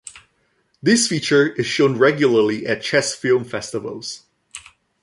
This feature is shown regularly at chess film festivals.